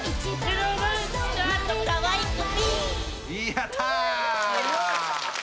やった！